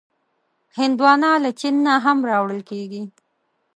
هندوانه له چین نه هم راوړل کېږي.